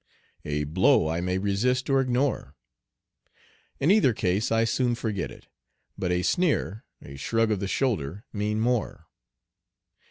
A blow I may resist or ignore. In either case I soon forget it. But a sneer, a shrug of the shoulder, mean more.